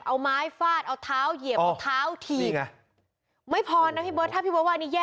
เอาไม้ฝาดเอาเท้าเหยียบเอาเท้าถีก